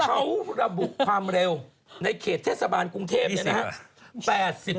เขาระบุความเร็วในเขตเทศบาลกรุงเทพเนี่ยนะครับ